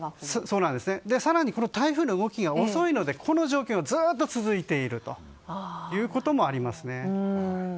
更にこの台風の動きが遅いのでこの状況がずっと続いているということもありますね。